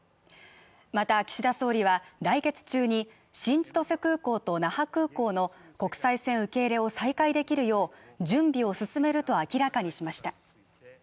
また、岸田総理は来月中に新千歳空港と那覇空港の国際線受け入れを再開できるよう準備を進めると明らかにしました。